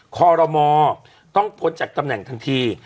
คอรมอต้องพ้นจากตำแหน่งทันที